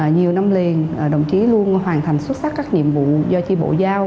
nhiều năm liền đồng chí luôn hoàn thành xuất sắc các nhiệm vụ do chi bộ giao